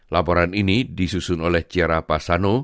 laporan ini disusun oleh ciara pasano